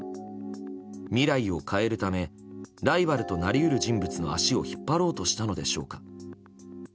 未来を変えるためライバルとなり得る人物の足を引っ張ろうとしたのでしょうか。